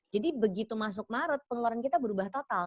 jadi begitu masuk maret pengeluaran kita berubah total